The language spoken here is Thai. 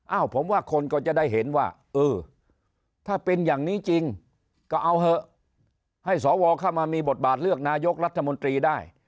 ผมว่าคนก็จะได้เห็นว่าเออถ้าเป็นอย่างนี้จริงก็เอาเถอะให้สวเข้ามามีบทบาทเลือกนายกรัฐมนตรีได้